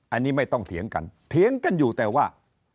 อันนี้ไม่ต้องเถียงกันเถียงกันอยู่แต่ว่า